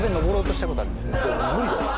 無理だよ。